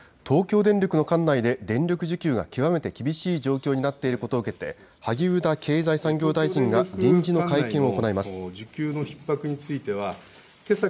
東京電力の管内で電力需給が極めて厳しい状況になっていることを受けて萩生田経済産業大臣が臨時の会見を行います。